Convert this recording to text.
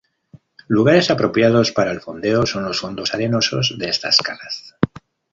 Lugares apropiados para el fondeo son los fondos arenosos de estas calas.